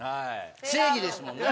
正義ですもんね？